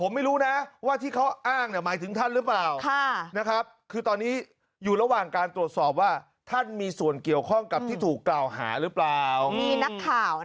อ่อก็ไม่รู้นะว่าที่เขาเอ้อ้งเนี่ยมายถึงท่านรึเปล่า